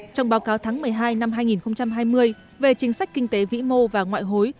trong báo cáo tháng một mươi hai năm hai nghìn hai mươi về chính sách kinh tế vĩ mô và ngoại hối